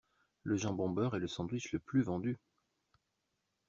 Le jambon beurre est le sandwich le plus vendu.